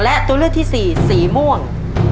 และตัวเลือกที่สี่สีม่วง